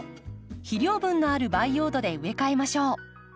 肥料分のある培養土で植え替えましょう。